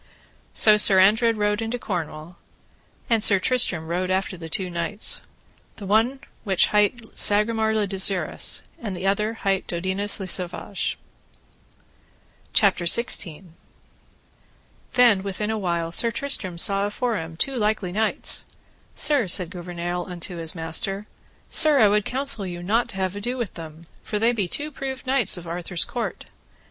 So Sir Andred rode into Cornwall, and Sir Tristram rode after the two knights, the which one hight Sagramore le Desirous, and the other hight Dodinas le Savage. CHAPTER XVI. How Sir Tristram fought with two knights of the Round Table. Then within a while Sir Tristram saw them afore him, two likely knights. Sir, said Gouvernail unto his master, Sir, I would counsel you not to have ado with them, for they be two proved knights of Arthur's court.